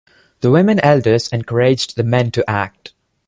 The women elders encouraged the men to act.